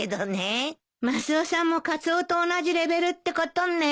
マスオさんもカツオと同じレベルってことね。